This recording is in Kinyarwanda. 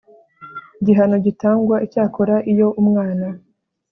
gihano gitangwa icyakora iyo umwana